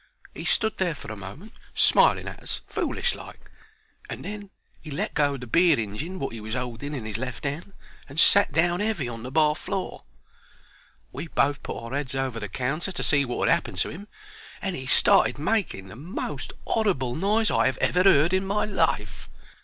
He stood there for a moment smiling at us foolish like, and then 'e let go o' the beer injin, wot 'e was 'olding in 'is left hand, and sat down heavy on the bar floor. We both put our 'eads over the counter to see wot had 'appened to 'im, and 'e started making the most 'orrible noise I 'ave ever heard in my life.